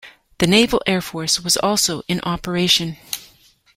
A naval air force was also in operation.